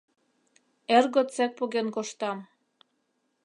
— Эр годсек поген коштам.